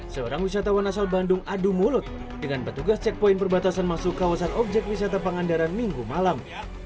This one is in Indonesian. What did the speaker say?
seorang wisatawan asal bandung adu mulut dengan petugas checkpoint perbatasan masuk kawasan objek wisata pangandaran minggu malam